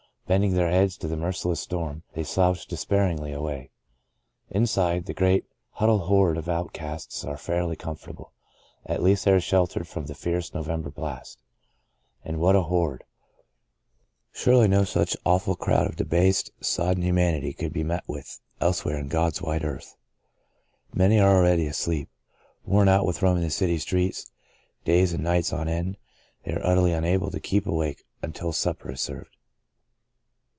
Bending their heads to the merciless storm, they slouch despairingly away. Inside, the great, huddled horde of outcasts are fairly comfortable — at least they are sheltered from the fierce November blast. And what a horde I Surely no such awful crowd of debased, sodden humanity could be met with elsewhere on God's wide earth. Many are already asleep. Worn out with roaming the city streets, days and nights on end, they are utterly unable to keep awake The Breaking of the Bread 57 until supper is served.